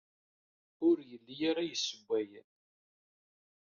Ur yelli ara yessewway.